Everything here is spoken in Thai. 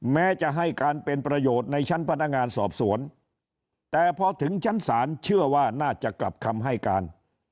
แม้จะให้การเป็นประโยชน์ในชั้นพนักงานสอบสวนแต่พอถึงชั้นศาลเชื่อว่าน่าจะกลับคำให้การ